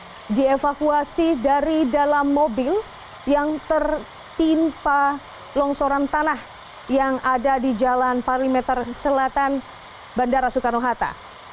korban dievakuasi dari dalam mobil yang tertimpa longsoran tanah yang ada di jalan parameter selatan bandara soekarno hatta